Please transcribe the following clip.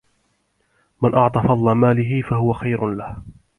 مَنْ أَعْطَى فَضْلَ مَالِهِ فَهُوَ خَيْرٌ لَهُ